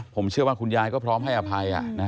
ผมเชื่อว่าคุณยายก็พร้อมให้อภัย